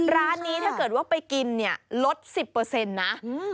ร้านนี้ถ้าเกิดว่าไปกินลด๑๐เปอร์เซ็นต์นะ